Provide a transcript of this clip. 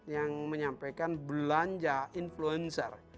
yang menyampaikan belanja influencer